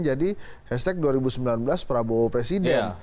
jadi hashtag dua ribu sembilan belas prabowo presiden